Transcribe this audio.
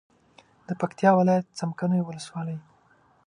د پکتیا ولایت څمکنیو ولسوالي